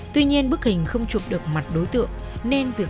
tuy nhiên bức hình không chụp được mặt đối tượng